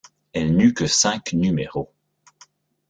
Elle n'eut que cinq numéros.